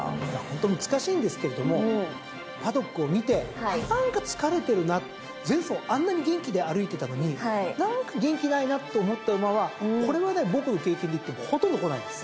ホント難しいんですけれどもパドックを見て何か疲れてるな前走あんなに元気で歩いてたのに何か元気ないなと思った馬はこれまで僕の経験でいってもほとんどこないです。